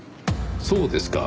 そうですか。